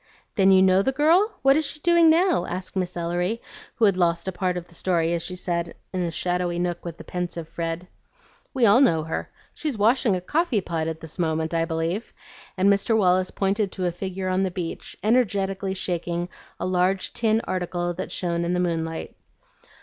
"Then you know the girl? What is she doing now?" asked Miss Ellery, who had lost a part of the story as she sat in a shadowy nook with the pensive Fred. "We all know her. She is washing a coffee pot at this moment, I believe;" and Mr. Wallace pointed to a figure on the beach, energetically shaking a large tin article that shone in the moonlight.